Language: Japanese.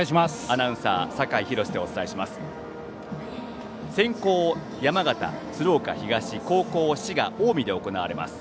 アナウンサー酒井博司でお伝えします。